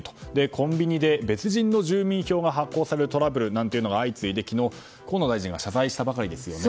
コンビニで別人の住民票が発行されるトラブルなんていうのが相次いで昨日、河野大臣が謝罪したばかりですね。